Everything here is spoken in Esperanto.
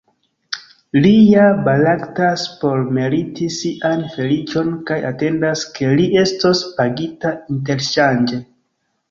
Li ja baraktas por meriti sian feliĉon, kaj atendas ke li estos pagita interŝanĝe.